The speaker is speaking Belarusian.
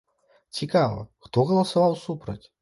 Цікава, хто галасаваў супраць?